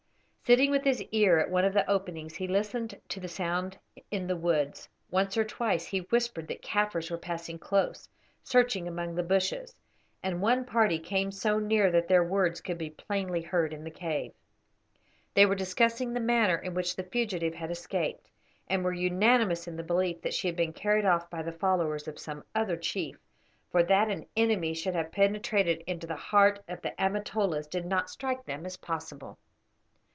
Sitting with his ear at one of the openings he listened to the sounds in the woods; once or twice he whispered that Kaffirs were passing close, searching among the bushes; and one party came so near that their words could be plainly heard in the cave. They were discussing the manner in which the fugitive had escaped, and were unanimous in the belief that she had been carried off by the followers of some other chief, for that an enemy should have penetrated into the heart of the Amatolas did not strike them as possible.